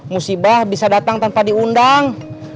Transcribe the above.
musibah bisa datang tanpa diundang